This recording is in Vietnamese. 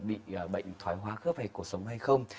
bị bệnh thoái hoa khớp hay cuộc sống hay không